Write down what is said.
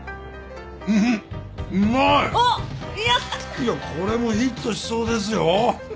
いやこれもヒットしそうですよ。